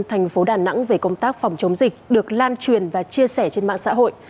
thành phố đà nẵng về công tác phòng chống dịch được lan truyền và chia sẻ trên mạng xã hội